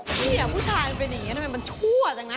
เนี่ยผู้ชายมันเป็นอย่างนี้ทำไมมันชั่วจังนะ